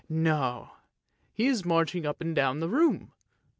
No ! he is marching up and down the room.